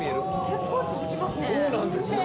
結構続きますね。